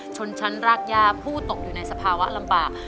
ชนชั้นรากย่าผู้ตกอยู่ในสภาวะลำบาก